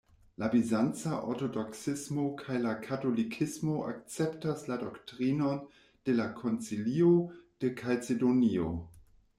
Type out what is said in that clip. La bizanca ortodoksismo kaj la katolikismo akceptas la doktrinon de la Koncilio de Kalcedonio.